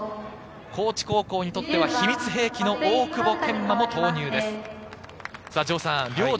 高知高校にとっては秘密兵器の大久保天満も投入です。